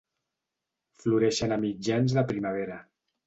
Floreixen a mitjans de primavera.